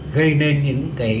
gây nên những cái